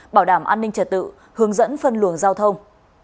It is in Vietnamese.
bảo đảm an ninh trật tự hướng dẫn phân luồng giao thông